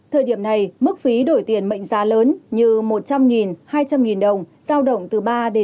thời điểm này mức phí đổi tiền mệnh giá lớn như một trăm linh hai trăm linh đồng giao động từ ba năm